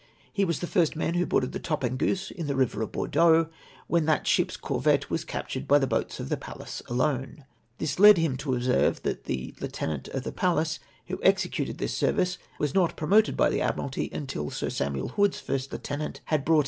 He was the first man who boarded the Tajjageusa in the river of Bordeaux, when that ship's corvette was captured by the boats of the Pallas alone. This led him to observe that the lieutenant of the Pallas, who executed this service was not promoted by the Admiralty until Sir Samuel Hood's first lieutenant had brought out o * Pie had paid 90